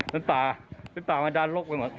น้ำตาน้ำตามันดันลกไปหมด